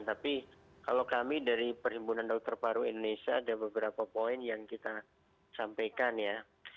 tapi kalau kami dari perhimpunan dokter paru indonesia ada beberapa poin yang kita sampaikan ya